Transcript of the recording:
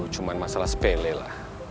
cuma masalah sepele lah